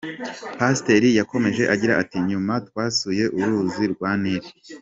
Pasiteri yakomeje agira ati:“Nyuma twasuye uruzi rwa Nil.